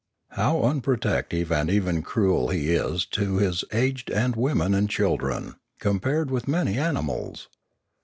How unprotective and even cruel he is to his aged and women and children, compared with many animals!